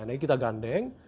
nah ini kita gandeng